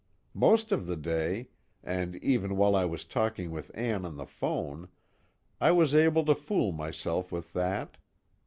Most of the day, and even while I was talking with Ann on the phone, I was able to fool myself with that.